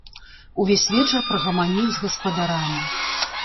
Увесь вечар прагаманіў з гаспадарамі.